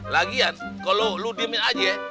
lagian kalo lu diemin aja ya